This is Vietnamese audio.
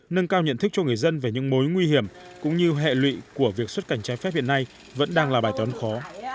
nâng cao nhận thức cho người dân về những mối nguy hiểm cũng như hệ lụy của việc xuất cảnh trái phép hiện nay vẫn đang là bài toán khó